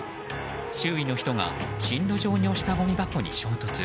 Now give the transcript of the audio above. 周囲の人が進路上に押したごみ箱に衝突。